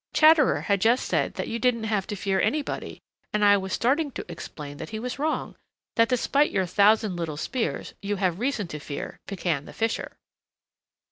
Chatterer had just said that you didn't have to fear anybody and I was starting to explain that he was wrong, that despite your thousand little spears you have reason to fear Pekan the Fisher."